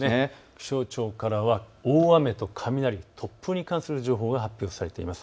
気象庁からは大雨と雷、突風に関する情報が発表されています。